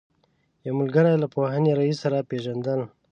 یو ملګري له پوهنې رئیس سره پېژندل.